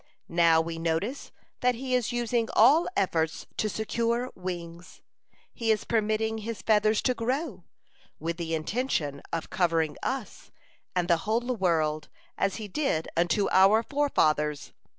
Now we notice that he is using all efforts to secure wings. He is permitting his feathers to grow, with the intention of covering us and the whole world, as he did unto our forefathers.